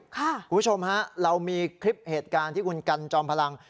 คุณผู้ชมฮะเรามีคลิปเหตุการณ์ที่คุณกันจอมพลัง